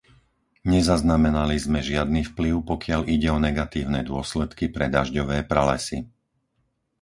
Nezaznamenali sme žiadny vplyv, pokiaľ ide o negatívne dôsledky pre dažďové pralesy.